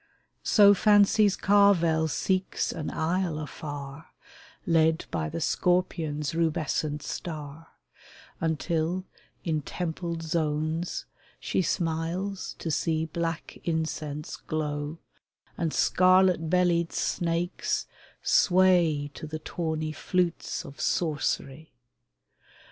So Fancy's carvel seeks an isle afar, Led by the Scorpion's rubescent star, Until in templed zones she smiles to see Black incense glow, and scarlet bellied snakes Sway to the tawny flutes of sorcery.